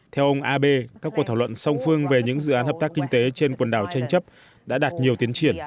theo ông abe các cuộc thảo luận song phương về những dự án hợp tác kinh tế trên quần đảo tranh chấp đã đạt nhiều tiến triển